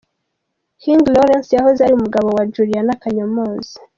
King Lawrence yahoze ari umugabo wa Juliana Kanyomozi.